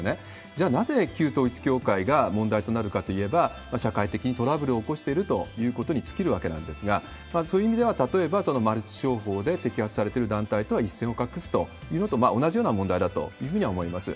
じゃあ、なぜ旧統一教会が問題となるかといえば、社会的にトラブルを起こしているということに尽きるわけなんですが、そういう意味では、例えばマルチ商法で摘発されてる団体とは一線を画すというのと同じような問題だというふうには思います。